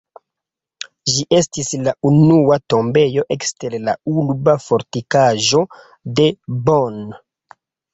Ĝi estis la unua tombejo ekster la urba fortikaĵo de Bonn.